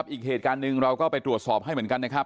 อีกเหตุการณ์หนึ่งเราก็ไปตรวจสอบให้เหมือนกันนะครับ